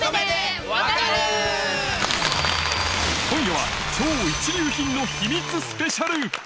今夜は超一流品の秘密スペシャル。